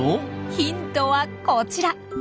ヒントはこちら。